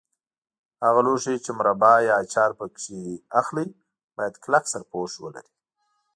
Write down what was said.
هغه لوښي چې مربا یا اچار پکې اخلئ باید کلک سرپوښ ولري.